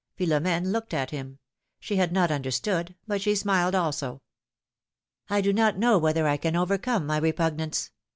Philomene looked at him she had not understood, but she smiled also. do not know whether I can overcome my repug nance.